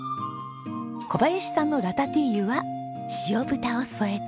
小林さんのラタトゥイユは塩豚を添えて。